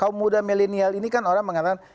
kaum muda milenial ini kan orang mengatakan